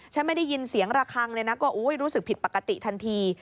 ไม่ได้ยินเสียงระคังเลยนะก็รู้สึกผิดปกติทันที